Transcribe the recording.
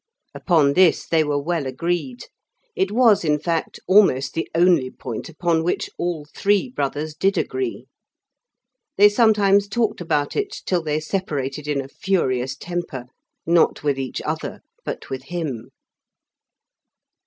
Upon this they were well agreed; it was, in fact, almost the only point upon which all three brothers did agree. They sometimes talked about it till they separated in a furious temper, not with each other but with him.